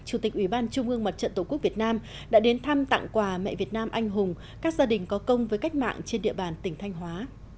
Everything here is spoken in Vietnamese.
chủ tịch ủy ban trung ương mặt trận tổ quốc việt nam đã đến thăm tặng quà mẹ việt nam anh hùng các gia đình có công với cách mạng trên địa bàn tỉnh thanh hóa